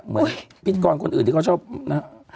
เหมือนพิจารณ์คนอื่นเนี่ยเขาชอบนะ